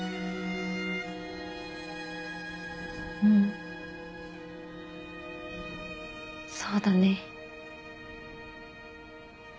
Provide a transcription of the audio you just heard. うんそうだね。